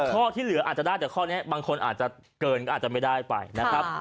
ข้อที่เหลืออาจจะได้แต่ข้อนี้บางคนอาจจะเกินก็อาจจะไม่ได้ไปนะครับ